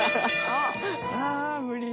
あ無理だ。